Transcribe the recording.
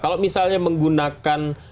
kalau misalnya menggunakan